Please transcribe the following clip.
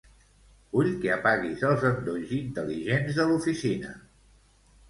Vull que apaguis els endolls intel·ligents de l'oficina.